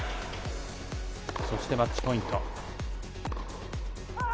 そしてマッチポイント。